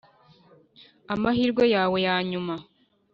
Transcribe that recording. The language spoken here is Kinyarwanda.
amahirwe yawe yanyuma.